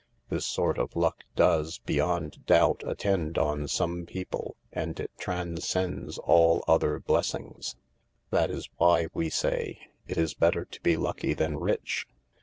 This sort of luck does, beyond doubt, attend on some people, and it transcends all other blessings. That is why we say, " It is better to be lucky than rich."